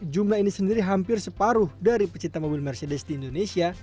jumlah ini sendiri hampir separuh dari pecinta mobil mercedes di indonesia